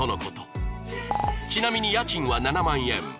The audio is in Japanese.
ちなみに家賃は７万円